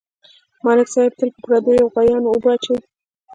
ملک صاحب تل په پردیو غویانواوبه اچوي.